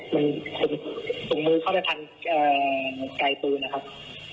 มันตรงมือเข้าไปทันเอ่อใกล้ฟื้นนะครับ